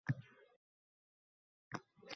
Bizga yotdir shirin baxtini